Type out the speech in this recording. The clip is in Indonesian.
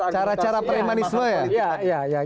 cara cara premanisme ya